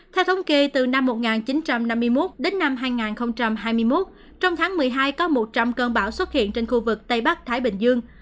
theo thống kê từ năm một nghìn chín trăm năm mươi một đến năm hai nghìn hai mươi một trong tháng một mươi hai có một trăm linh cơn bão xuất hiện trên khu vực tây bắc thái bình dương